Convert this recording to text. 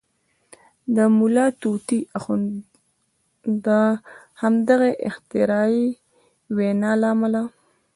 د ملا طوطي اخند د همدغې اختراعي وینا له امله.